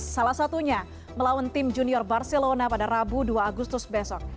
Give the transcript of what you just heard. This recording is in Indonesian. salah satunya melawan tim junior barcelona pada rabu dua agustus besok